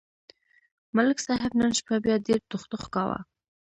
ملک صاحب نن شپه بیا ډېر ټوخ ټوخ کاوه.